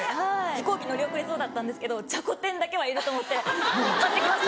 飛行機乗り遅れそうだったんですけどじゃこ天だけはいると思って買って来ました。